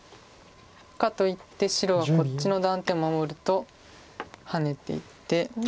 かといって白はこっちの断点を守るとハネていって。